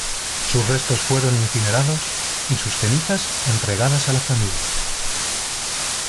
Sus restos fueron incinerados, y sus cenizas entregadas a la familia.